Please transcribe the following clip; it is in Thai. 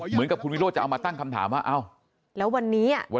เหมือนกับคุณวิโรธจะเอามาตั้งคำถามว่า